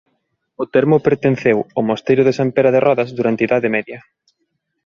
O termo pertenceu ao mosteiro de Sant Pere de Rodes durante a Idade Media.